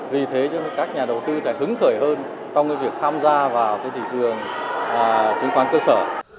vì thế các nhà đầu tư sẽ hứng khởi hơn trong việc tham gia vào thị trường chứng khoán cơ sở